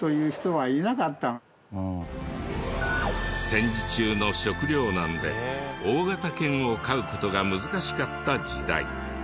戦時中の食糧難で大型犬を飼う事が難しかった時代。